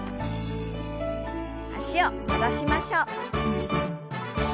脚を戻しましょう。